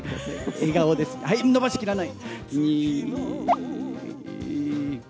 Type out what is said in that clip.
笑顔です、はい、伸ばしきらない。